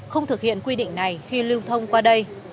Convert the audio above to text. không thực hiện quy định này khi lưu thông qua đây